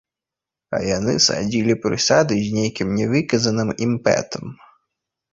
А яны садзілі прысады з нейкім нявыказаным імпэтам.